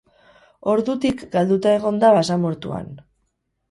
Ordutik, galduta egon da basamortuan.